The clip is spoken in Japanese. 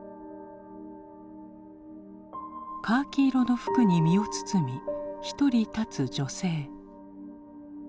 カーキ色の服に身を包み一人立つ女性。